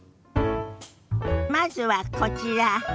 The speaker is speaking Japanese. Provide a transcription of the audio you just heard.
まずはこちら。